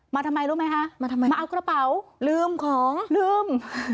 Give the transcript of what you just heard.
ทำไมรู้ไหมคะมาทำไมมาเอากระเป๋าลืมของลืม